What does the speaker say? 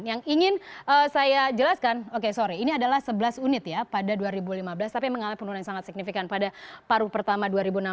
yang ingin saya jelaskan oke sorry ini adalah sebelas unit ya pada dua ribu lima belas tapi mengalami penurunan sangat signifikan pada paruh pertama dua ribu enam belas